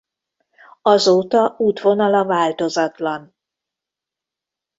Azóta útvonala változatlan.